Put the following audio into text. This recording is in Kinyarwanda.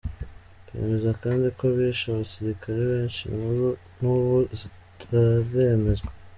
Bemeza kandi ko bishe abasirikare benshi, inkuru n’ubu zitaremezwa.